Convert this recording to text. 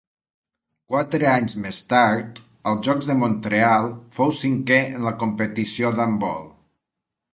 Quatre anys més tard, als Jocs de Mont-real, fou cinquè en la competició d'handbol.